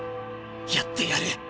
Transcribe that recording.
やってやる！